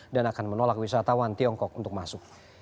dan akan menolak wisatawan tiongkok untuk masuk